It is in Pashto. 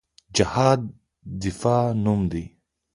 جهاد د دفاع نوم دی